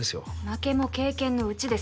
負けも経験のうちです